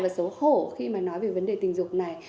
và xấu hổ khi mà nói về vấn đề tình dục này